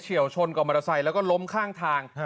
วชนกับมอเตอร์ไซค์แล้วก็ล้มข้างทาง